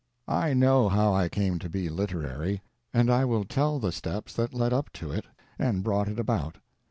I know how I came to be literary, and I will tell the steps that lead up to it and brought it about.